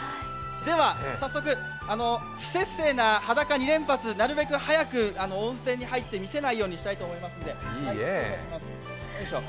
では、早速、不摂生な裸２連発、なるべく早く温泉に入って見せないようにしたいと思います。